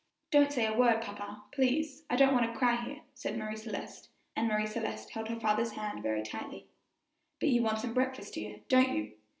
"Don't say a word, papa, please, I don't want to cry here," and Marie Celeste held her father's hand very tightly. "But you want some breakfast, dear, don't you?"